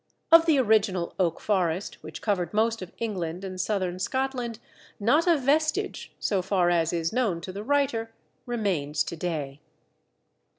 Of the original oak forest, which covered most of England and Southern Scotland, not a vestige (so far as is known to the writer) remains to day.